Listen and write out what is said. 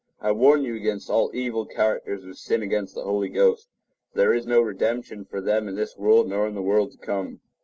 I warn you against all evil characters who sin against the Holy Ghost; for there is no redemption for them in this world nor in the world to come.